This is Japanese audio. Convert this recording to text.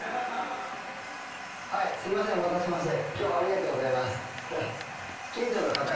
はいすいませんお待たせしまして。